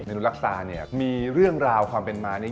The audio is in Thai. นุรักษาเนี่ยมีเรื่องราวความเป็นมานี้